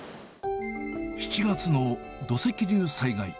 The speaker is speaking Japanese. ７月の土石流災害。